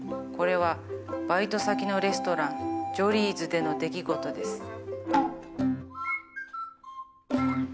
これはバイト先のレストランジョリーズでの出来事です。